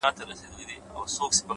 د تجربې درس اوږد اغېز لري’